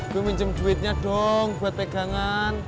gue minjem duitnya dong buat pegangan